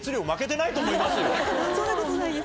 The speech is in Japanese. そんなことないです。